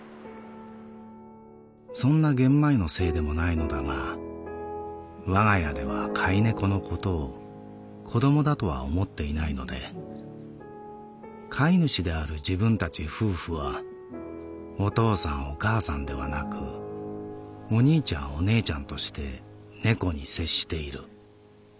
「そんなゲンマイのせいでもないのだが我が家では飼い猫のことを『子ども』だとは思っていないので飼い主である自分たち夫婦は『お父さんお母さん』ではなく『お兄ちゃんお姉ちゃん』として猫に接している」。